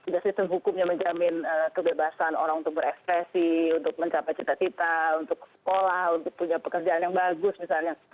dan sistem hukumnya menjamin kebebasan orang untuk berekspresi untuk mencapai cita cita untuk sekolah untuk punya pekerjaan yang bagus misalnya